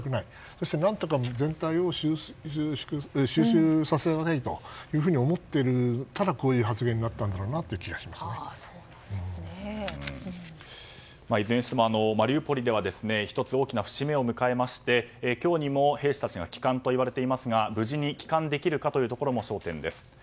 そして何とか全体を収集させたいと思ってるからこういう発言があったんだろうなといういずれにしてもマリウポリでは１つ、大きな節目を迎えまして今日にも兵士たちが帰還といわれていますが無事に帰還できるかも焦点です。